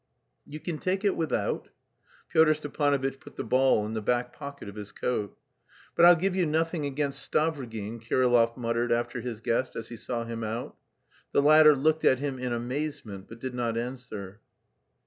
"You can take it without." Pyotr Stepanovitch put the ball in the back pocket of his coat. "But I'll give you nothing against Stavrogin," Kirillov muttered after his guest, as he saw him out. The latter looked at him in amazement but did not answer.